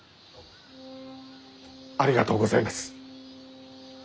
ありがとうございます。